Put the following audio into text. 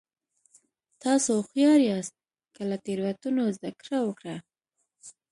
تاسو هوښیار یاست که له تېروتنو زده کړه وکړه.